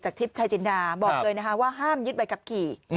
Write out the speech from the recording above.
ทริปชายจินดาบอกเลยนะคะว่าห้ามยึดใบขับขี่